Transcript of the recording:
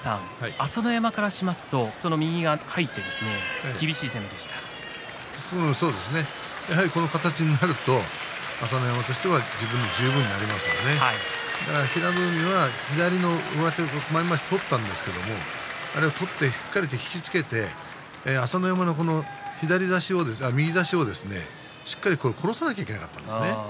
朝乃山からしますとそうですねやはりこの形になると朝乃山としては自分十分になりますから平戸海は左の前まわしを取ったんですがあれは取ってしっかり引き付けて朝乃山の右差しをしっかり殺さなきゃいけなかったですね。